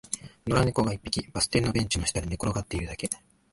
野良猫が一匹、バス停のベンチの下で寝転がっているだけ